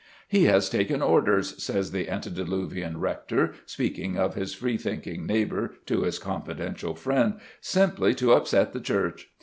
"He has taken orders," says the antediluvian rector, speaking of his free thinking neighbour to his confidential friend, "simply to upset the Church!